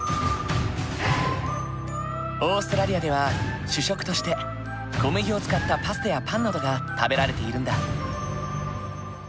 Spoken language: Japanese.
オーストラリアでは主食として小麦を使ったパスタやパンなどが食べられているんだ。